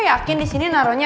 yakin di sini naronya